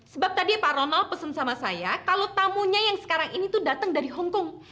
sebab tadi pak ronald pesen sama saya kalau tamunya yang sekarang ini tuh datang dari hongkong